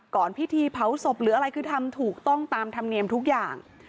พิธีเผาศพหรืออะไรคือทำถูกต้องตามธรรมเนียมทุกอย่าง